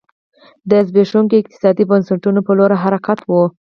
د زبېښونکو اقتصادي بنسټونو په لور حرکت و.